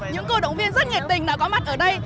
những câu động viên rất nhiệt tình đã có mặt ở đây